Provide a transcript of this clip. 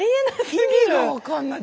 意味が分かんない。